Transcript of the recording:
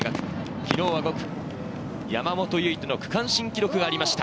昨日は５区・山本唯翔の区間新記録がありました。